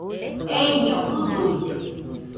Eiño ɨduide